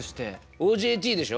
ＯＪＴでしょ？